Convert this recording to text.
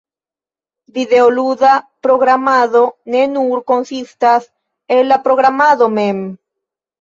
videoluda programado ne nur konsistas el la programado mem.